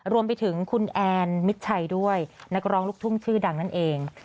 รวมไปถึงคุณแอนมิดชัยด้วยนักร้องลูกทุ่งชื่อดังนั่นเอง